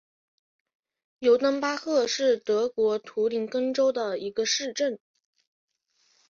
尤登巴赫是德国图林根州的一个市镇。